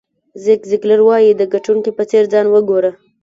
زیګ زیګلر وایي د ګټونکي په څېر ځان وګوره.